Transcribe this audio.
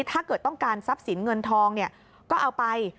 ถ้าเกิดต้องการทรัพย์สินเงินทองก็เอาไป